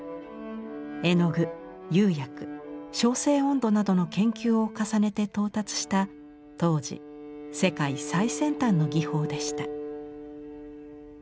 絵の具釉薬焼成温度などの研究を重ねて到達した当時世界最先端の技法でした。